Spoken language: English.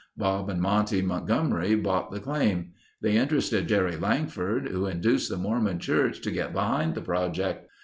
Bob and Monte Montgomery bought the claim. They interested Jerry Langford, who induced the Mormon Church to get behind the project.